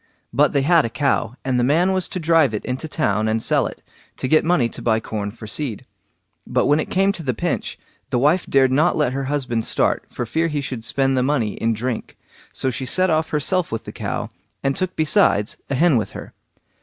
But they had a cow, and the man was to drive it into town and sell it, to get money to buy corn for seed. But when it came to the pinch, the wife dared not let her husband start for fear he should spend the money in drink, so she set off herself with the cow, and took besides a hen with her.